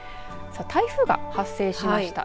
さあ、台風が発生しました。